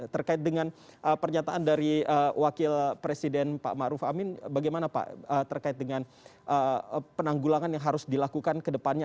terkait dengan pernyataan dari wakil presiden pak maruf amin bagaimana pak terkait dengan penanggulangan yang harus dilakukan ke depannya